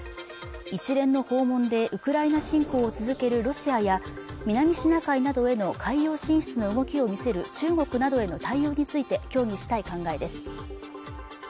一連の訪問でウクライナ侵攻を続けるロシアや南シナ海などへの海洋進出の動きを見せる中国などへの対応について協議したい考えです